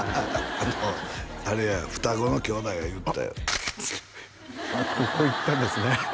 あのあれや双子の兄弟がいるってここ行ったんですね